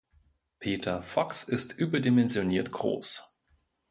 Peter Fox ist überdimensioniert groß.